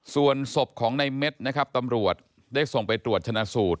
ส่วนศพของในเม็ดนะครับตำรวจได้ส่งไปตรวจชนะสูตร